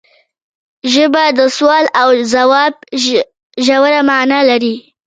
ژبه د سوال او ځواب ژوره معنی لري